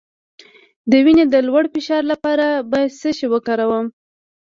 د وینې د لوړ فشار لپاره باید څه شی وکاروم؟